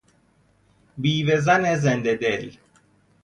بیوه زن زنده دل